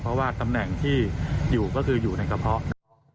เพราะว่าตำแหน่งที่อยู่ก็คืออยู่ในกระเพาะครับ